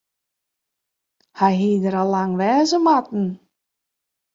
Hja hie der al lang wer wêze moatten.